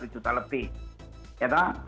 satu juta lebih